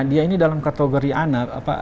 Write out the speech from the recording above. dia ini dalam kategori anak